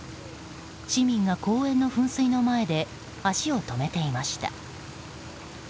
市民が公園の噴水の前で足を止めていました。